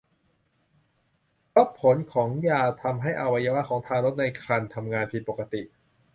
เพราะผลของยาจะทำให้อวัยวะของทารกในครรภ์ทำงานผิดปกติ